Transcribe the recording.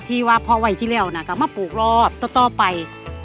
ว่าพอวัยที่แล้วก็มาปลูกรอบต่อไป